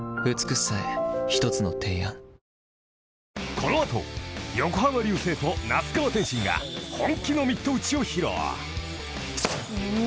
［この後横浜流星と那須川天心が本気のミット打ちを披露］